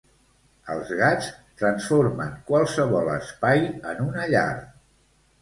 Els gats transformen qualsevol espai en una llar.